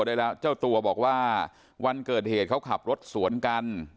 ได้แล้วเจ้าตัวบอกว่าวันเกิดเหตุเขาขับรถสวนกัน